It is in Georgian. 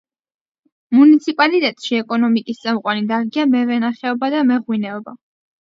მუნიციპალიტეტში ეკონომიკის წამყვანი დარგია მევენახეობა და მეღვინეობა.